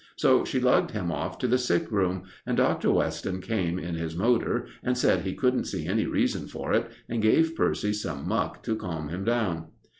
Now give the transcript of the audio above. So she lugged him off to the sick room, and Dr. Weston came in his motor, and said he couldn't see any reason for it, and gave Percy some muck to calm him down.